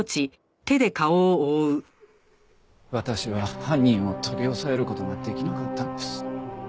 私は犯人を取り押さえる事ができなかったんです。